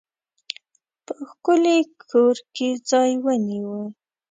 په ښکلي کور کې ځای ونیوی.